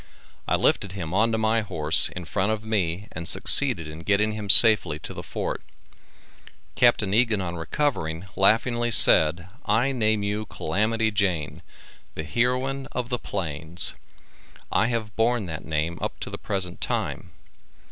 I lifted him onto my horse in front of me and succeeded in getting him safely to the Fort. Capt. Egan on recovering, laughingly said: "I name you Calamity Jane, the heroine of the plains." I have borne that name up to the present time.